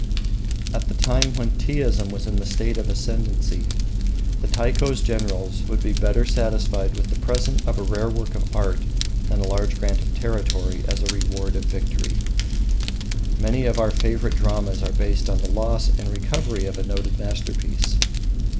At the time when Teaism was in the ascendency the Taiko's generals would be better satisfied with the present of a rare work of art than a large grant of territory as a reward of victory. Many of our favourite dramas are based on the loss and recovery of a noted masterpiece.